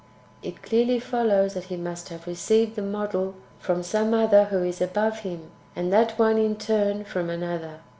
It clearly follows that He must have received the model from some other one who is above Him, and that one, in turn, from another.